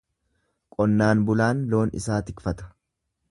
Qonnaan bulaan loon isaa tikfata.